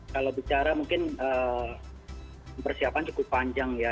kalau bicara mungkin persiapan cukup panjang ya